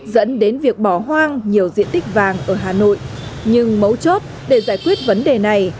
dẫn đến việc bỏ hoang nhiều diện tích vàng ở hà nội nhưng mấu chốt để giải quyết vấn đề này